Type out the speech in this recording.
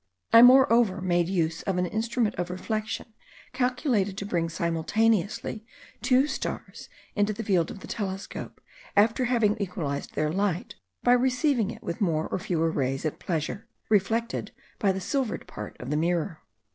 I moreover made use of an instrument of reflexion calculated to bring simultaneously two stars into the field of the telescope, after having equalized their light by receiving it with more or fewer rays at pleasure, reflected by the silvered part of the mirror.